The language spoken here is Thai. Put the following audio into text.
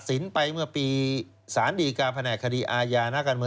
มีรายชื่อเข้ามาเกี่ยวแล้วแต่ตอนนั้นไม่ได้สั่งฟ้องผ่านทองแท้